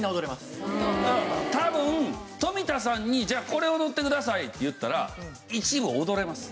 多分富田さんにこれ踊ってくださいって言ったら一部踊れます。